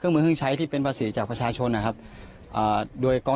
มือเครื่องใช้ที่เป็นภาษีจากประชาชนนะครับอ่าโดยกอง